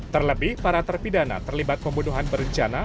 terlebih para terpidana terlibat pembunuhan berencana